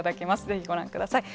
是非ご覧ください。